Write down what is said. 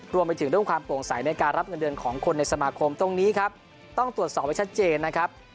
รวมไปถึงเรื่องความโปร่งใสในการรับเงินเดือนของคนในสมาคมตรงนี้ครับต้องตรวจสอบให้ชัดเจนนะครับ